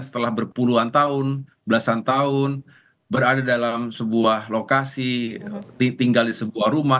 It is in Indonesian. setelah berpuluhan tahun belasan tahun berada dalam sebuah lokasi tinggal di sebuah rumah